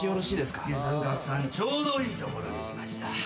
すけさんかくさんちょうどいいところに来ました。